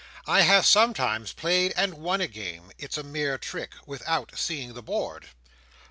"I have sometimes played, and won a game—it's a mere trick—without seeing the board."